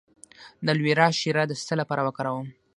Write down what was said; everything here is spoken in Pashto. د الوویرا شیره د څه لپاره وکاروم؟